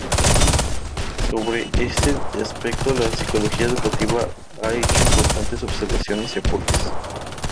Sobre este aspecto, la psicología educativa ha hecho importantes observaciones y aportes.